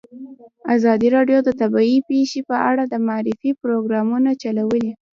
ازادي راډیو د طبیعي پېښې په اړه د معارفې پروګرامونه چلولي.